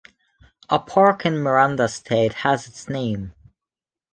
A park in Miranda State has its name.